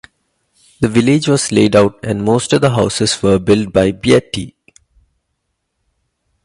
The village was laid out and most of the houses were built by Beatty.